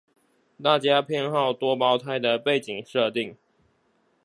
大家偏好多胞胎的背景設定